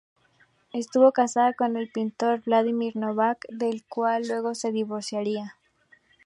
Estuvo casada con el pintor Vladimir Novak, del cual luego se divorciaría.